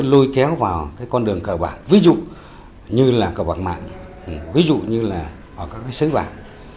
mà nó cứ lôi kéo vào con đường cờ bạc ví dụ như là cờ bạc mạng ví dụ như là ở các xứ bạc